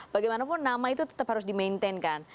bagaimanapun nama itu tetap harus di maintain kan